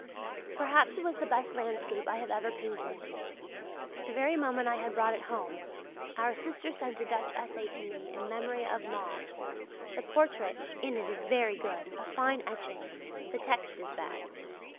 Perhaps it was the best landscape I have ever painted. The very moment I had brought it home, our sister sent a Dutch essay to me in memory of Mauve (the portrait in it is very good a fine etching the text is bad).